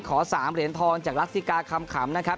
ขอ๓เหรียญทองจากลักษิกาคำนะครับ